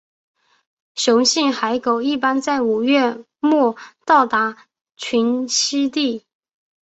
雄性海狗一般在五月末到达群栖地。